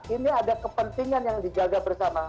ini ada kepentingan yang dijaga bersama